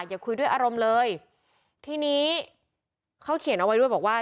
อย่าคุยด้วยอารมณ์เลยทีนี้เขาเขียนเอาไว้ด้วยบอกว่า